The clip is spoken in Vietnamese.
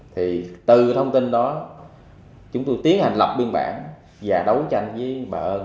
thì từ thông tin đó chúng tôi tiến hành lập biên bản và đấu tranh với bà ơn